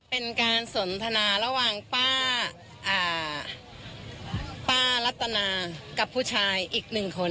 เป็นการสนทนาระหว่างป้าป้ารัตนากับผู้ชายอีกหนึ่งคน